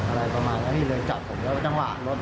อะไรประมาณนั้นเขาเลยจับผม